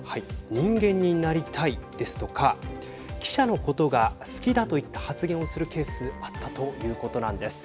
人間になりたいですとか記者のことが好きだといった発言をするケースあったということなんです。